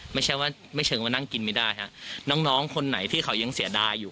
ไม่ใช่ว่าไม่เชิงมานั่งกินไม่ได้ฮะน้องน้องคนไหนที่เขายังเสียดายอยู่